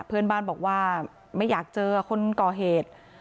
เพื่อนบ้านบอกว่าไม่อยากเจอคนก่อเหตุ